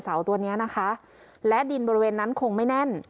เสาตัวเนี้ยนะคะและดินบริเวณนั้นคงไม่แน่น